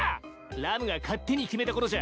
ラムが勝手に決めたことじゃ。